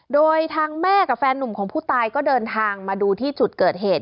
โดยทางแม่กับแฟนนุ่มของผู้ตายก็เดินทางมาดูที่จุดเกิดเหตุ